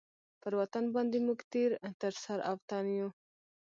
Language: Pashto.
پر وطن باندي موږ تېر تر سر او تن یو.